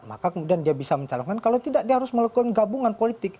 maka kemudian dia bisa mencalonkan kalau tidak dia harus melakukan gabungan politik